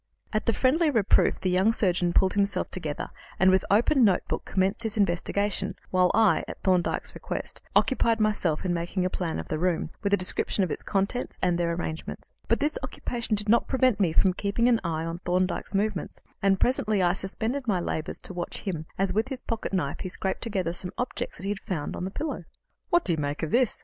At the friendly reproof the young surgeon pulled himself together, and, with open notebook, commenced his investigation, while I, at Thorndyke's request, occupied myself in making a plan of the room, with a description of its contents and their arrangements. But this occupation did not prevent me from keeping an eye on Thorndyke's movements, and presently I suspended my labours to watch him as, with his pocket knife, he scraped together some objects that he had found on the pillow. "What do you make of this?"